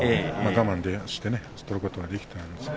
我慢して取ることができました。